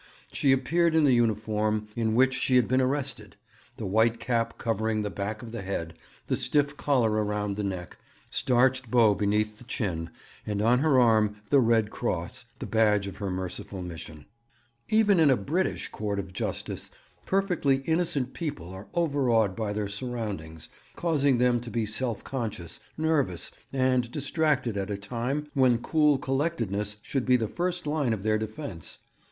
She appeared in the uniform in which she had been arrested: the white cap covering the back of the head; the stiff collar around the neck; starched bow beneath the chin; and on her arm the Red Cross, the badge of her merciful mission. Even in a British court of justice perfectly innocent people are overawed by their surroundings, causing them to be self conscious, nervous, and distracted at a time when cool collectedness should be the first line of their defence.